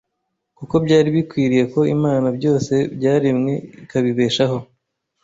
“Kuko byari bikwiriye ko Imana, byose byaremewe ikabibeshaho,